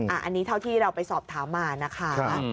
อันนี้เท่าที่เราไปสอบถามมานะคะ